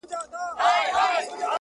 لعنتي د بنده گانو او بادار سوم،